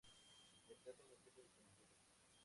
Reemplaza un objeto desconocido.